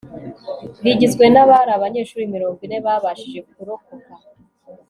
rigizwe n'abari abanyeshuri mirongo ine babashije kurokoka